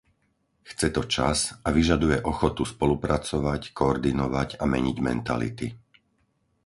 Chce to čas a vyžaduje ochotu spolupracovať, koordinovať a meniť mentality.